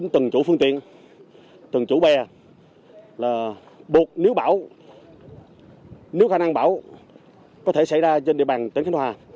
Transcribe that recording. từng chủ phương tiện từng chủ bè là buộc nếu bão nếu khả năng bão có thể xảy ra trên địa bàn tỉnh khánh hòa